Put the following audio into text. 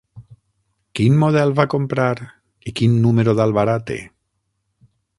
Quin model va comprar i quin número d'albarà té?